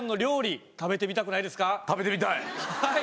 はい。